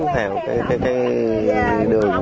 theo cái đường